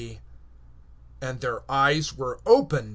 (30)And their eyes were opened.